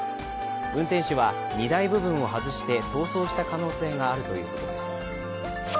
運転手は荷台部分を外して逃走した可能性があるということです。